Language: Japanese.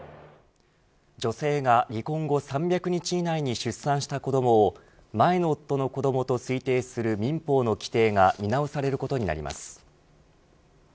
女性が離婚後３００日以内に出産した子どもを前の夫の子どもと推定する民法の規定が見直されることになります。